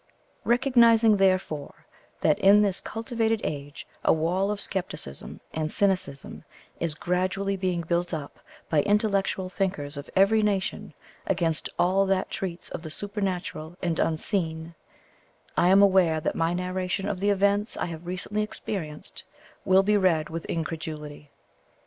Recognizing, therefore, that in this cultivated age a wall of scepticism and cynicism is gradually being built up by intellectual thinkers of every nation against all that treats of the Supernatural and Unseen, I am aware that my narration of the events I have recently experienced will be read with incredulity.